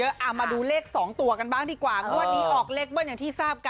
เอามาดูเลข๒ตัวกันบ้างดีกว่างวดนี้ออกเลขเบิ้ลอย่างที่ทราบกัน